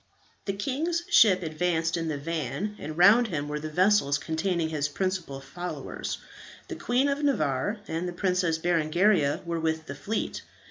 The king's ship advanced in the van, and round him were the vessels containing his principal followers. The Queen of Navarre and the Princess Berengaria were with the fleet.